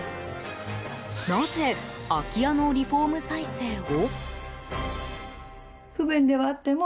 なぜ、空き家のリフォーム再生を？